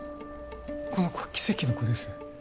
この子は奇跡の子です